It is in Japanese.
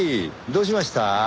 どうしました？